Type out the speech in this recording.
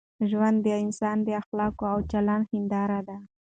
ژوند د انسان د اخلاقو او چلند هنداره ده.